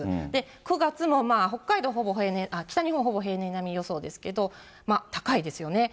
９月も北日本ほぼ平年並み予想ですけど、高いですよね。